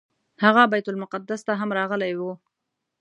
هغه بیت المقدس ته هم راغلی و.